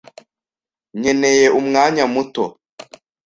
Nkeneye umwanya muto.